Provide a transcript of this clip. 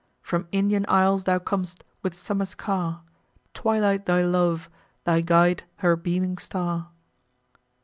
From Indian isles thou com'st, with Summer's car, Twilight thy love—thy guide her beaming star!